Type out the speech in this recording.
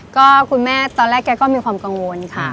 ก็คุณแม่ตอนแรกแกก็มีความกังวลค่ะ